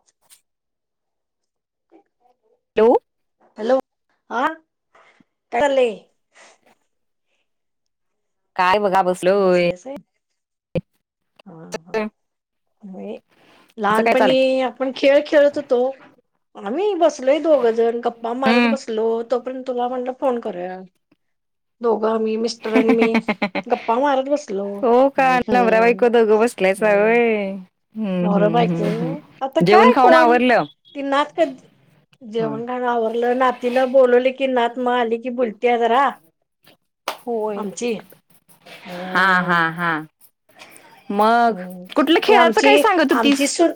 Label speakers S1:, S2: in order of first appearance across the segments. S1: [unintelligible]
S2: [unintelligible]
S1: Hello हा काय झा
S2: काय बघा बस-
S1: बसल्यास आहे. हा हा
S2: तुमचं काय चालय
S1: लहानपणी आपण खेळ खेळत होतो. आम्ही बसलोय दोघ जण गप्पा मारत
S2: हम्म
S1: बसलो तोपर्यंत तुला म्हटलं फोन करूया. दोघं मी मिस्टर आणि मी गप्पा मारत बसलो.
S2: तु गं बसल्यायचवय.
S1: नरा बायको आता
S2: जेवण
S1: काय
S2: खाऊन
S1: कोण
S2: आवरलं
S1: ती नातक.
S2: होय
S1: जेवण खाण आवरलं नातीनं बोलवले की नात मग आली की बुलती जरा.
S2: होय
S1: आमची
S2: हा हा
S1: ह
S2: हा. मग
S1: अ
S2: कुठलं
S1: ते
S2: खेळाचं
S1: आमची
S2: काय सांगत
S1: आमची
S2: होतीस
S1: सुन.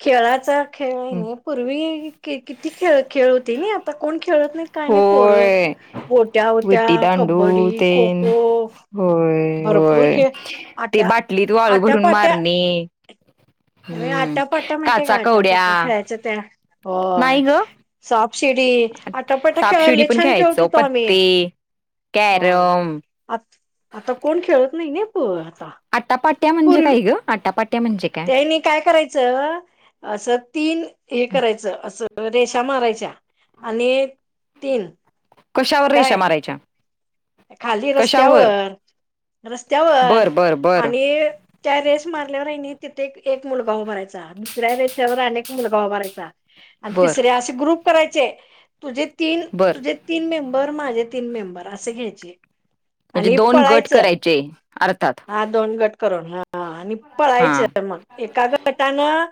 S1: खेळाचा खेळ आहे नाही पूर्वी किती खेळ खेळ होते नाही आता कोण खेळत नाही. काही नाही पोरं
S2: होय
S1: गोट्या होओत्या
S2: विटी दांडू
S1: कबड्डी खो
S2: तेन
S1: खो
S2: होय
S1: भरपूर
S2: होय
S1: खेळ
S2: ते
S1: आट्या
S2: बाटलीत वाळू भरून मारणे. हम्म
S1: आटापट्टा माहितीय का
S2: काचा कवड्या
S1: आटापट्ट्या खेळायच्या त्या
S2: नाही
S1: होय.
S2: ग
S1: सापशिडी आ टपाटा
S2: सापशिडी
S1: खे
S2: पण
S1: छान
S2: खेळायचो
S1: खेळतोतो आम्ही.
S2: पत्ते
S1: होय
S2: कॅरम.
S1: आ आता कोण खेळत नाही ना प
S2: आटापाट्या म्हणजे
S1: पूर्वी
S2: काय ग आटापाट्या म्हणजे. काय?
S1: त्यानी काय करायचं असं तीन हे करायचं असं. रेषा मारायच्या तीन.
S2: कशावर रेषा
S1: काय
S2: मारायच्या.
S1: खाली
S2: कशावर
S1: रस्त्यावर रस्त्यावर
S2: बर बर बर
S1: आणि त्या रेस मारल्यावरही तिथे एक मुलगा उभारयचा. मस्र्या अनेक मुलगा उभायचा आणि
S2: बर
S1: तिसरे असे ग्रुप करायचे. तुझे तीन,
S2: बर
S1: तुझे तीन मेंबर माझे तीन मेंबर अस घ्यायचे.
S2: म्हणजे
S1: आणि
S2: दोन गट
S1: पळायचं
S2: करायचे, अर्थात.
S1: हा दोन गट करून ह आणि
S2: हा
S1: पळायच मग एका गटानं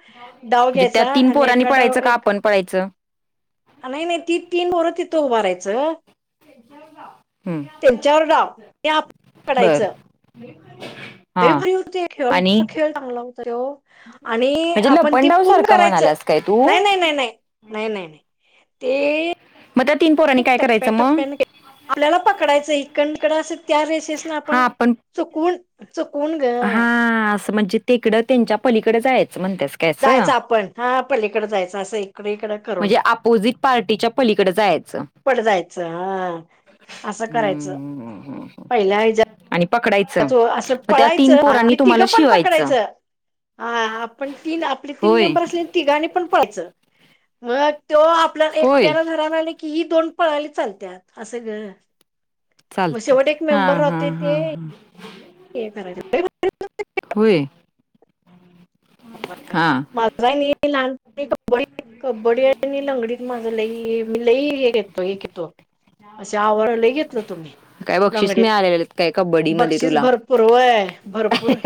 S1: डाव
S2: म्हणजे त्या
S1: घ्यायचा
S2: तीन
S1: आणि
S2: पोरांनी
S1: एका डाव
S2: पळायचं का
S1: एक
S2: आपण पळायचं
S1: नाही नाही ती तीन [unintelligible] तथं उभारायचं.
S2: [unintelligible]
S1: त्यांच्यावर डाव, हे आप,
S2: बर
S1: पडायचं.
S2: [unintelligible]
S1: लई भारी होतय खेळ
S2: आणि
S1: इतका खेळ चांगला होतय तो. आणि
S2: म्हणजे
S1: आपण ते
S2: लपंडाव
S1: पूर्ण
S2: सारखं
S1: करायचं,
S2: म्हणालास काय तू
S1: नाही नाही नाही. नाही नाही, ते.
S2: म तीन पोरा
S1: टप्प्या टप्प्यान, आपल्याला पकडायचं इकडन तीकड अस त्या रेशेस न आपण चुकून, चुकून ग.
S2: हा असं म्हणजे तीकडं त्यांच्या पलीकड जायचं म्हणत्यास का अस,
S1: जायचं आपण हा पलीकडे जायचं असं इकडे इकडं करून
S2: म्हणजे अपोजिट पार्टीच्या पलीकड जायचं.
S1: पट जायचं ह, असं
S2: हम्म
S1: करायचं,
S2: हम्म हम्म
S1: पहिल्या हिज्या
S2: आणि पकडायचं, म त्यात
S1: च आणि तिघ पण पकडायचं, आ आपण आपली तीन
S2: होय
S1: मेंबर अस तिघांनी पण पळायचं, म त्यो आपल्या
S2: होय
S1: एकट्याला धराय की ही दोन पळाली चालतात असं ग, म
S2: चालते
S1: शेवट एक
S2: हा
S1: मेंबर
S2: हा
S1: राहतोय
S2: हा
S1: ते.
S2: हा
S1: हे करायचं
S2: होय. हा.
S1: [unintelligible] कब्डी, कबड्डी आणि लंगडीत माझं लई मी लई हे तु ये की तु, असे अवॉर्ड लई घेतलो होतो मी,
S2: काय बक्षीस
S1: लंगडीत.
S2: मिळालेले काय कबड्डी मध्ये
S1: बक्षीस
S2: तुला
S1: भरपूर होय भरपूर,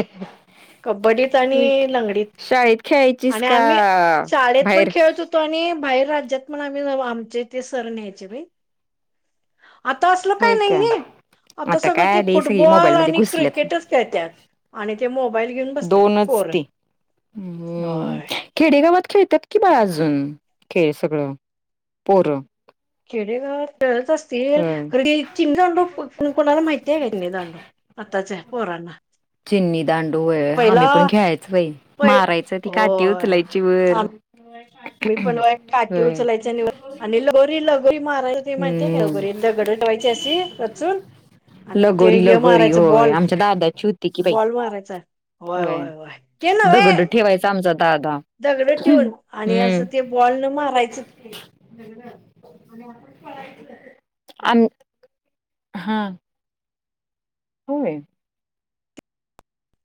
S1: कबड्डीत
S2: होय
S1: आणि
S2: की
S1: लंग
S2: शाळेत खेळाचीस का
S1: शाळेत पण
S2: बाहेर
S1: खेळत होतो आणि बाहेर राज्यात पण आम्ही आमचे ते सर न्यायचे बइ. आता असल काही
S2: होय
S1: नाहीे
S2: काय
S1: नई, आता सगळं
S2: काय
S1: ते
S2: आली सगळी
S1: फुटबॉल
S2: मोबाईल मध्ये
S1: आणि
S2: घुसल्यात
S1: क्रिकेटच खेळत्यात, आणि ते मोबाईल घेऊन बसत्यात,
S2: दोनच
S1: पोर.
S2: ते हम्म.
S1: होय
S2: खेडेगावात खेळतात की बाळ अजून, खेळ सगळं, पोरं.
S1: खेडेगावात खेळत अस तील,
S2: होय
S1: कडी चिनीदांडू, कोणाला माहिती आहे चीनीदांडू, आताच्या पोरांना.
S2: चिनी दांडू [unintelligible]
S1: पहिला
S2: आम्ही पण खेळायाच बई,
S1: पहि
S2: मारायचं ती काठी
S1: होय
S2: उचलायची वर.
S1: मी पण होय काटी
S2: होय
S1: उचलायच आणि वर, आणि लगोरी लगोरी माराय ते माहितीय का
S2: हम्म
S1: लगोरी. दगड ठेवायची अशी रचून. आणि ते
S2: लगोरी
S1: हे
S2: लगोरी
S1: मारायच
S2: होय
S1: बॉल,
S2: आमच्या दादाची होती की बाई
S1: बॉल मारायचा. होय होय होय, ते नवे.
S2: दगड ठेवायचा आमचा दादा.
S1: दगड ठेवून, आणि असं ते बॉल न मारायचं.
S2: [unintelligible] आणि आपण पळायचं. अंत. हा. होय.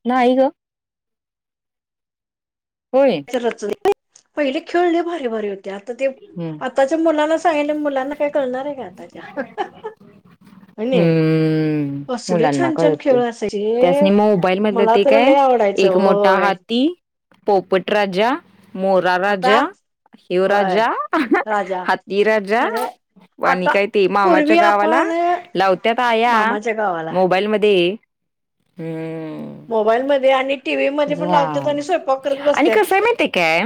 S2: नाही ग. होय
S1: [unintelligible] पहिले खेळ लई भारी भारी होते आता ते
S2: हम्म
S1: आताच्या मुलांना सांगितले मुलांना काय कळणार आहे का आताच्या. आणि
S2: हम्म
S1: कसले
S2: मुलांना
S1: छान छान
S2: कळत
S1: खेळ असायचे
S2: त्यासनी मोबाईल मधलं
S1: मला
S2: ते
S1: तर
S2: काय.
S1: लय आवडायचं
S2: एक मोठा
S1: होय
S2: हाती पोपट राजा मोरा
S1: आता
S2: राजा हिवरा.
S1: होय
S2: जा
S1: राजा
S2: हतीराजा.
S1: नव्हे
S2: आणि
S1: आता
S2: कायती मामाच्या
S1: पूर्वी
S2: गावाला
S1: आपण
S2: लावत्यात आया
S1: मामाच्या गावाला
S2: मोबाईल मधी. ह
S1: मोबाईलमध्ये आणि टीव्ही मध्ये पण लावतात आणि स्वयंपाक करत
S2: आणि
S1: बसत्यात
S2: कसय मात काय.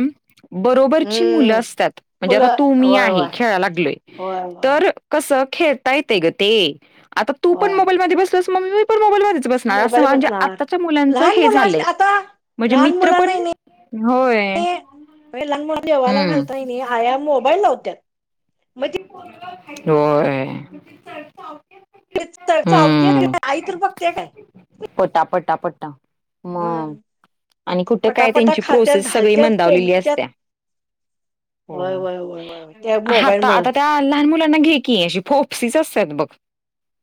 S2: बरोबरची मुलं
S1: हम्म
S2: असतात म्हणजे आता
S1: मुलं
S2: तू मी
S1: होय
S2: आहे
S1: होय
S2: खेळायला लागलोय
S1: होय होय
S2: तर. कसं खेळता येते गं ते आता तू पण
S1: होय
S2: मोबाईल मध्ये बसलस मम्मी मी पण मोबाईल मध्येच. अस
S1: मोबाईल
S2: म्हणजे
S1: बघणार
S2: आताच्या मुलांच
S1: लहान
S2: हे
S1: मुलं
S2: झालंय
S1: आता
S2: म्हणजे
S1: लहान
S2: मित्र पण. होय.
S1: म लग म देवाला
S2: हम्म
S1: घालताय नाही आया मोबाईल लावत्या.
S2: होय.
S1: ते चावती काय
S2: हम्म
S1: आई तर बघते काय.
S2: पटा पटा पटा. मग आणि कुठं काय
S1: पटापटा
S2: त्यांची
S1: खात्यात
S2: प्रोसेस सगळी
S1: घालत्यात
S2: मंदावलेली
S1: कोंबत्यात
S2: असत्या.
S1: होय
S2: हो
S1: होय होय होय त्या मोबाईल
S2: आता
S1: मुळ
S2: आता. त्या लहान मुलांना घे क अशी फोप्सीच असतात बघ.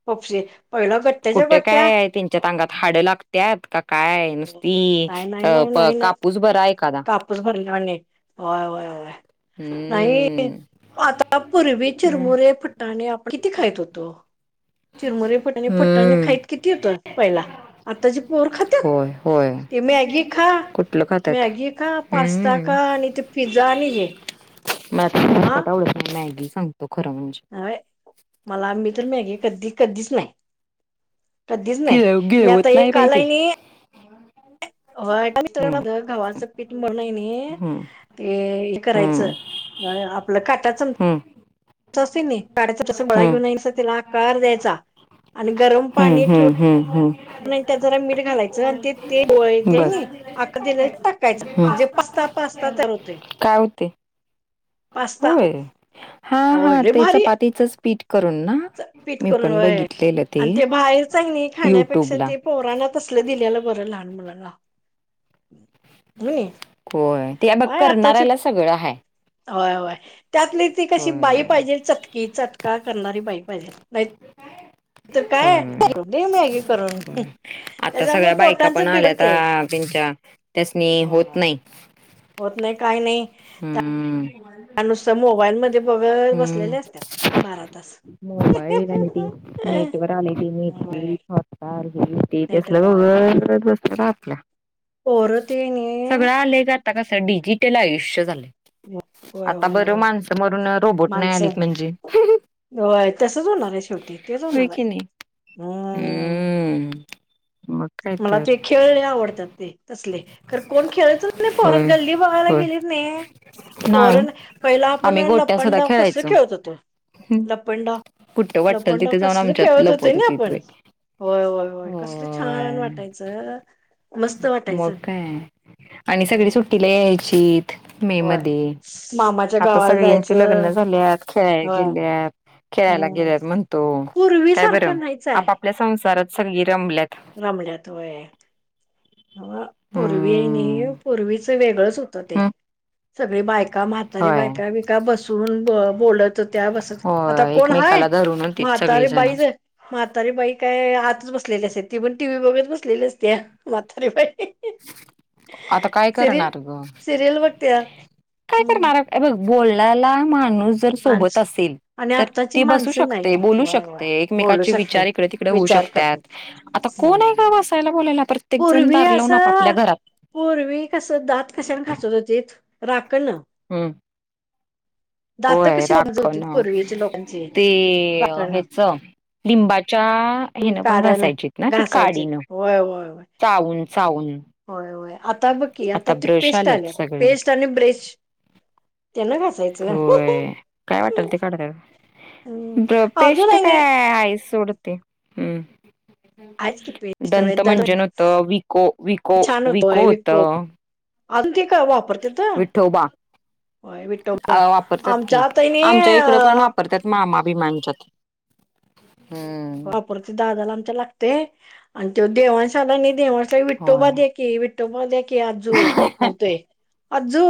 S1: फोपशी पहिल घट्ट्याच्या
S2: कुठे
S1: गट्ट्या.
S2: काय त्यांच्यात अंगात हाड लागत का काय नुसती
S1: नाही नाही
S2: अ
S1: नाही
S2: प
S1: नाही नाही
S2: कापूस बरा एखादा.
S1: कापूस भरल्यावानी वाय वाय नाही.
S2: हम्म
S1: आता पूर्वी चिरमुरे फट्टाणे आपण किती खायत होतो. चिरमर फटणी फट्टाणे
S2: हम्म
S1: खाईत किती होत पहिला आता जे पोर खात्यात.
S2: होय होय.
S1: ते मॅगी खा
S2: कुठलं खात्यात
S1: मॅगी खा पास्ता
S2: हम्म
S1: खा आणि ते पिझ्झा आणि हे.
S2: म
S1: आ
S2: व मॅगी सगतो खरं म्हणजे.
S1: होय मला मी तर मॅगे कधी कधीच नाही. कधीच नाही
S2: गिळ
S1: मी
S2: गिळवत
S1: आता
S2: नाही
S1: एक
S2: बाई ते
S1: कालनी.
S2: हम्म
S1: हो [inaudible] घावाचं पीठ मरण आहे न
S2: हम्म
S1: ते हे
S2: हम्म
S1: करायचं आपलं काटा चम चा काढाच तस गोळा
S2: हम्म हम्म
S1: घेऊन नाही त्याला आकार द्यायचा आणि गरम
S2: हम्म
S1: पाणी ठेवून.
S2: हम्म हम्म.
S1: आणि त्यात जरा मीठ घालायचं आणि ते गोळे ते
S2: बर
S1: नाही. आखर दिला टाकायचा
S2: हम्म
S1: म्हणजे पास्ता पास्ता तयार होतेय.
S2: काय होते होय हा हा त्याच पातीचंच पीठ करून ना.
S1: च पिट
S2: मी
S1: करून
S2: पण
S1: वय
S2: बघितलेलं
S1: आणि ते बाहेर हाय का नाही खाण्यापेक्षा
S2: युट्यूबला
S1: ते. पोराना तसलं दिल्याला बरं लहान मुलांला.
S2: होय ते बघ
S1: काय आताची
S2: करणाऱ्याला सगळं आहे.
S1: होय होय त्यातली ती कशी
S2: होय
S1: बाई पाहिजे चटकी चटका करणारी बाई पाहिजे नाही. तर काय
S2: होय.
S1: ठेवली मॅगे करून.
S2: आता
S1: त्याच्यामुळे
S2: सगळ्या बायका
S1: पोटांच
S2: पण आल्यात
S1: बिघडते
S2: त्यांच्या त्यासनी
S1: हो
S2: होत नाही.
S1: होत नाही काही नाही.
S2: हम्म.
S1: त्या नुसत मोबाईल मध्ये बघ
S2: हम्म
S1: बसलेले असतात भारात.
S2: मोबाईल आणि ते नेटवर आली ती नेट
S1: होय
S2: [unintelligible] ते
S1: नाही तर
S2: तेसलं
S1: होय
S2: बघत बसत रा आपल्या.
S1: पोरं ते
S2: सगळं
S1: नाही
S2: आलंय का आता कस डिजिटल आयुष्य झालेय.
S1: होय
S2: आता
S1: होय
S2: बरं
S1: होय
S2: माणसं मरून रोबोट नाही
S1: माणसं
S2: आलीत म्हणजे.
S1: होय तसच होणार आहे शेवटी तेच
S2: होय
S1: होणार आहे
S2: की नाही.
S1: हम.
S2: हम्म म
S1: मला ते खेळले आवडतात ते तसले ख कोण खेळतच नाही परत
S2: होय
S1: गल्ली बघायला
S2: होय.
S1: गेलीत नाही
S2: नाही
S1: पोरण पहिला आपण
S2: आम्ही गोट्या सुद्धा
S1: लंपडाव कस
S2: खेळायचो.
S1: खेळत होतो लपंडा
S2: कुठं वाटल
S1: लपंडाव
S2: तिथे जाऊन
S1: कसल
S2: आमच्यात
S1: खेळत
S2: लपवत
S1: होतं नाय
S2: होतीत
S1: आपण
S2: बाई.
S1: होय होय होय कसल छान
S2: होय.
S1: वाटायचं मस्त
S2: मग
S1: वाटायचं
S2: काय आणि सगळी
S1: हम्म
S2: सुट्टीला यायची मे
S1: होय
S2: मध्ये
S1: मामाच्या
S2: आता
S1: गावाला
S2: सगळ्यांचे लग्न
S1: जायचं
S2: झाल्यात खेळाय
S1: होय
S2: गेल्यात खेळायला
S1: हम्म
S2: गेल्यात म्हणतो
S1: पूर्वी
S2: काय बरं
S1: सारखं नाहीच
S2: आपापल्या संसारात सगळी रमल्यात
S1: रमलात वय बा पूर्वी नाही
S2: हम्म
S1: पूर्वीच वेगळंच होतं ते
S2: हम्म
S1: सगळी बायका म्हातारी
S2: होय.
S1: बायका विका बसून ब बोलत त्या बसून आता
S2: होय
S1: कोण हाय
S2: एकमेकाला धरून
S1: मग
S2: होतीत
S1: म्हातारी
S2: सगळीजण
S1: बाई ज म्हातारीबाई काय आतच बसलेली अस ती पण टी व्ही बघत बसलेली असते म्हातारीबाई
S2: आता काय करणार ग
S1: सिरियल बघत्या
S2: काय
S1: हम्म
S2: करणार अ बघ बोलण्याला माणूस जर सोबत
S1: माणस
S2: असेल
S1: आणि
S2: तर
S1: आत्ताची
S2: ती बसू
S1: माणसं
S2: शकते
S1: नाही
S2: बोलू
S1: वा वा
S2: शकते
S1: बोलू
S2: एकमेकाचे विचार
S1: शकते
S2: इकडे तिकडे होऊ
S1: विचार करते
S2: शकतात आता कोण
S1: हम्म
S2: आहे का बसायला बोलायला प्रत्येक जण
S1: पूर्वी
S2: दार लवै ना आप आपल्या
S1: असं
S2: घरात
S1: पूर्वी कसं दात कशाने घासत होते राकणं
S2: हम्म
S1: दात
S2: होय
S1: कशी मोजत
S2: राखण
S1: होतीत
S2: ह
S1: पूर्वीच्या लोकांची
S2: ते
S1: राखण
S2: ह्याच लिंबाच्या हेन पण
S1: काढा
S2: घासायचीत ना ती
S1: घासायचे
S2: काडीनं
S1: होय होय होय
S2: चावून चावून
S1: होय होय आता ब की आता त
S2: ब्रश
S1: पेस्ट
S2: आलेत
S1: आल्या
S2: सगळे
S1: पेस्ट आणि ब्रेश त्यांना घासायचं
S2: होय काय वाटल ते काढता
S1: हम्म
S2: ब्र
S1: अजून
S2: पेस्ट
S1: आहे नाही
S2: काय आईस सोडते
S1: आहेच की
S2: हम्
S1: पेस्ट
S2: दंत म्हंजन
S1: वैद्यनाथ
S2: होत विको विको विको होत
S1: अन ते काय वापरतेत होय
S2: अ
S1: विठठोबा
S2: वापरतात की
S1: आमच्या आताने
S2: आमच्या इकडे पण
S1: अ
S2: वापरतात मामा भिमानचात ह
S1: पर दादाला आमच्या लागते आणि त देवाणश आला नाही देणश विठठो
S2: होय
S1: बा देकी विठुबा दे की आजू म्हणतोय आजू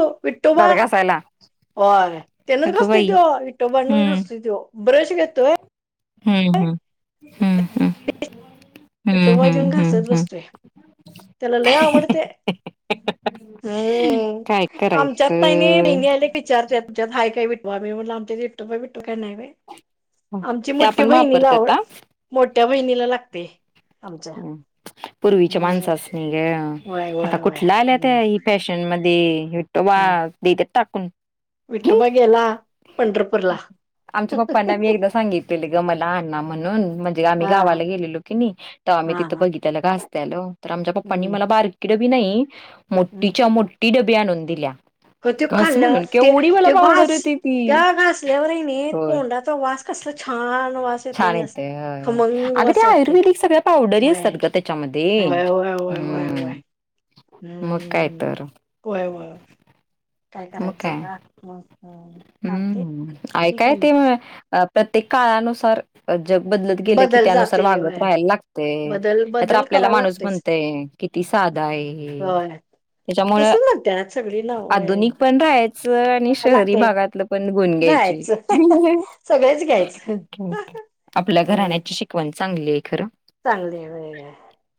S2: दात
S1: विठुबा
S2: घासायला
S1: होर त्यांनच
S2: अगं
S1: घास्तोय
S2: बाई
S1: दे विठोबाण
S2: हम्म
S1: कसत तव ब्रश घेतोय
S2: हम् हम
S1: [unintelligible] पिठ
S2: हम्म
S1: वा
S2: हम्म
S1: घेऊन
S2: हम्म
S1: घासत
S2: हम्म
S1: बसतोय त्याला लय आवडते
S2: काय
S1: हम्म आमच्यात नाही नाही
S2: करायचं
S1: बेणी आले विचारते तुच्यात हय काय विटवा आम्ही आमच्या इटू भटू काही नाही बा आमची
S2: त्या
S1: मोठी
S2: पण
S1: बहिणीला
S2: वापरतात
S1: आवड
S2: हा
S1: मोठ्या बहिणीला लागते आमच्या
S2: पूर्वीच्या
S1: हम्म
S2: माणसच नाही
S1: व्हय
S2: ग आता
S1: व्हय व्हय
S2: कुठला आल्या
S1: हम्म
S2: त्या ही फॅशन न मध्ये विठोबा
S1: हम्म
S2: देत्यात टाकून
S1: विठोबा गेला पंढरपूरला
S2: आमच्या पप्पांना मी एकदा सांगितलेले ग मला आण म्हणून म्हणजे आम्ही गावाला गेलेलो की तर आम्ही
S1: हा
S2: तिथं
S1: हा
S2: बघित घास तेल तर आमच्या पप्पनी
S1: हम्म
S2: मला बारकी डबी नाही
S1: हम्म
S2: मोठीच्या मोठी टी डबी आनुन
S1: हो
S2: दिल्यात
S1: ते
S2: कस
S1: खाल्लं
S2: म्हणून
S1: ते
S2: केवडी मला
S1: ते
S2: पावडणार
S1: घास
S2: होती ती
S1: त्या घासल्यावर नाही
S2: होय
S1: तोंडाचा वास कसला छान वास
S2: छान
S1: ना असा
S2: येते
S1: खमंग
S2: अग ते
S1: वास वाटते
S2: आयुर्वेदिक सगळ पा पावडरी
S1: होय
S2: असतात ग त्याच्यामध्ये
S1: होय होय होय होय होय
S2: हम् मग काय
S1: हम्म
S2: तर
S1: होय वय काय
S2: मग काय
S1: करायचं आ म
S2: हम्म ऐकाय ते प्रत्येक काळानुसार जग बदलत गेलं की
S1: बदल
S2: त्यानुसार
S1: जाते
S2: वागत
S1: होय
S2: राहायला लागते
S1: बदल
S2: नाही तर
S1: बदल
S2: आपल्याला
S1: करायला
S2: माणूस
S1: लागतेच
S2: म्हणतेय. किती साधा आहे?
S1: होय तसच
S2: त्याच्यामुळं
S1: म्हणतात सगळी ना होय
S2: आधुनिक पण राहायचं आणि शहरी
S1: लागते
S2: भागात तिथं पण गुण घ्यायची.
S1: राहायचं सगळेच घ्यायचं
S2: आपल्या
S1: होय
S2: घराण्याची शिकवण चांगली आहे खरं.
S1: चांगले आहे वेगैरे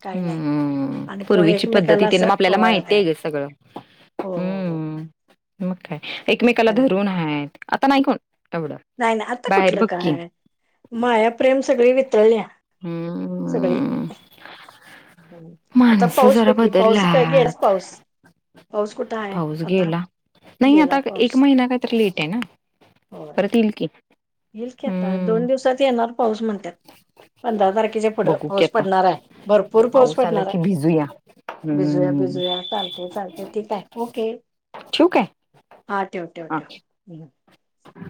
S1: काही नाही.
S2: हम
S1: आणि कोणी
S2: पूर्वीची पद्धती
S1: एकमेकाला
S2: ते ना
S1: असं
S2: मग आपल्याला
S1: होय
S2: माहिती
S1: होय
S2: आहे ग सगळं
S1: हो हो हो
S2: हम्म. मग काय एकमेकाला धरून आहेत आता नाही कोण कवडं
S1: नाही नाही आता कुठलं काय? मायाप्रेम सगळी वितळल्या सगळी.
S2: हम्म.
S1: आता
S2: माणसं
S1: पाऊस
S2: जरा
S1: बाकी पाऊस का घस
S2: बदललात
S1: पाऊस पाऊस कुठे आहे?
S2: पाऊस
S1: आता
S2: गेला, नाही
S1: गेला
S2: आता
S1: पाऊस
S2: एक महिना काय तर लेट आहे ना परत येल की.
S1: ईलकि आता,
S2: हम्म
S1: दोन दिवसात येणार पाऊस म्हणतात. पंधरा तारखेच्या फूढ
S2: बघू की
S1: पाऊस
S2: आता
S1: पडणार आह भरपूर पाऊस
S2: आला
S1: पडणार आहे.
S2: की भिजूया.
S1: भिजूया,
S2: हम्म
S1: भिजूया, चालतय, चालतय, ठिकाय, ओके.
S2: ठेवू काय
S1: हा, टेव, टेव, टेव, हम्.
S2: ह